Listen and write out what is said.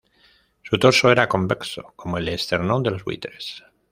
Su torso era convexo como el esternón de los buitres.